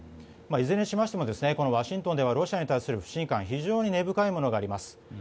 いずれにしましてもワシントンではロシアに対する不信感非常に根深いものがあります。